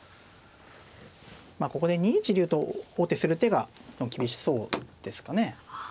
まあここで２一竜と王手する手が厳しそうですかね。